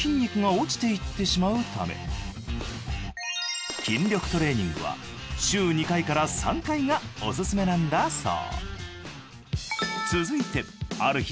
しかし筋力トレーニングは週２回から３回がおすすめなんだそう。